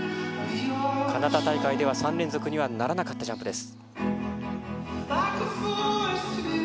カナダ大会では３連続にはならなかったジャンプです。